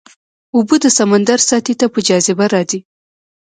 اوبه د سمندر سطحې ته په جاذبه راځي.